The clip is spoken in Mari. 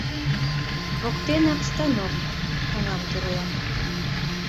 Воктенак станок оҥам тӧрла